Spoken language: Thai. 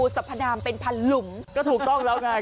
สัพพนามเป็นพันหลุมก็ถูกต้องแล้วไง